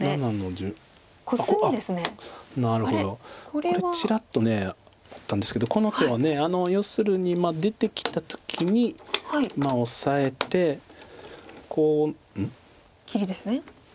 これちらっと思ったんですけどこの手は要するに出てきた時にオサえてこううん？切りですね。